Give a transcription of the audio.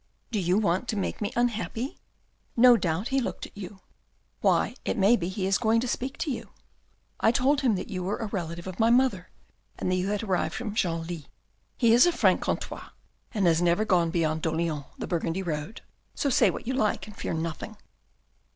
" Do you want to make me unhappy ? No doubt he looked at you, why it may be he is going to speak to you. I told him that you were a relative of my mother, and that you had arrived from Genlis. He is a Franc contois, and has never gone beyond Ddleon the Burgundy Road, so say what you like and fear nothing."